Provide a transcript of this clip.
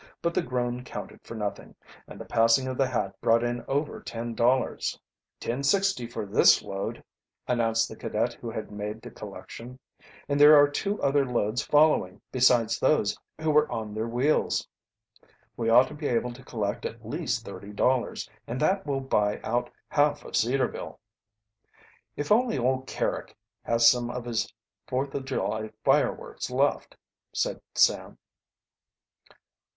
But the groan counted for nothing, and the passing of the hat brought in over ten dollars. "Ten sixty for this load," announced the cadet who had made the collection. "And there are two other loads following, besides those who were on their wheels. We ought to be able to collect at least thirty dollars, and that will buy out half of Cedarville." "If only old Carrick has some of his Fourth of July fireworks left," said Sam.